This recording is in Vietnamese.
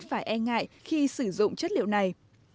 phải e ngại khi sử dụng chất liệu này